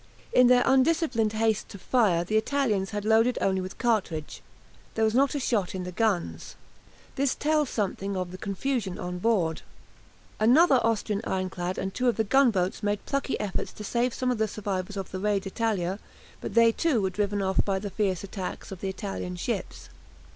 In their undisciplined haste to fire the Italians had loaded only with the cartridge, there was not a shot in the guns. This tells something of the confusion on board. Another Austrian ironclad and two of the gunboats made plucky efforts to save some of the survivors of the "Re d'Italia," but they, too, were driven off by the fierce attacks of Italian ships.